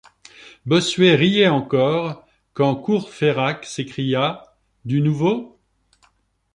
Bossuet riait encore quand Courfeyrac s’écria: — Du nouveau!